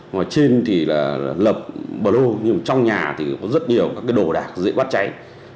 ngồi trên thì là lập bờ lô nhưng trong nhà thì có rất nhiều các cái đồ đạc dễ bắt chạy